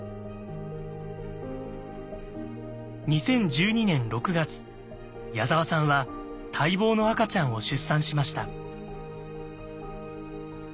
２０１２年６月矢沢さんは待望の赤ちゃんを出産しました。